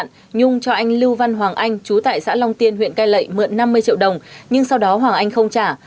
nguyễn thị hồng nhung cho anh lưu văn hoàng anh chú tại xã long tiên huyện cai lệ mượn năm mươi triệu đồng nhưng sau đó hoàng anh không trả